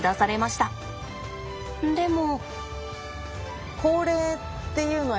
でも。